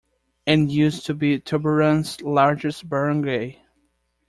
And used to be Tuburan's largest Barangay.